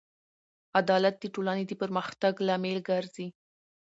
عدالت د ټولنې د پرمختګ لامل ګرځي.